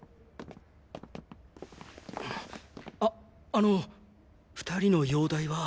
ああの２人の容体は？